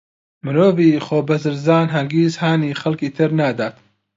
مرۆڤی خۆبەزلزان هەرگیز هانی خەڵکی تر نادات.